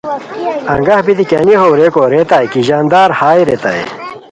انگہ بیتی کیانی ہو ریکو ریتائے کی ژاندار ہائے ریتائے